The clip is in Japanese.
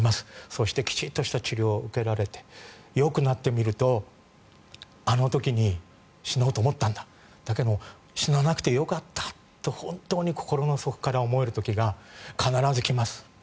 そしてきちんとした治療を受けられてよくなってみるとあの時に、死のうと思ったんだだけど、死ななくてよかったと本当に心の底から思える時が必ず来ます。